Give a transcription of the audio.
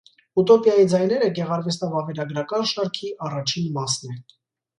«Ուտոպիայի ձայները» գեղարվեստավավերագրական շարքի առաջին մասն է։